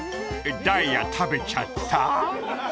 「ダイヤ食べちゃった？」